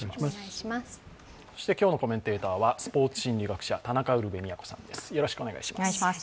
そして、今日のコメンテーターはスポーツ心理学者、田中ウルヴェ京さんです。